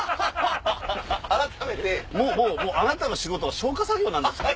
もうあなたの仕事は消化作業なんですか？